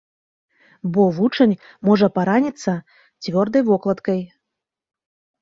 Бо вучань можа параніцца цвёрдай вокладкай.